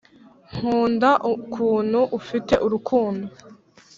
nkunda ukuntu ufite urukundo.